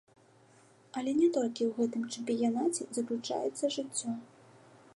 Але не толькі ў гэтым чэмпіянаце заключаецца жыццё.